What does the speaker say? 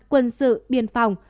quân sự biên phòng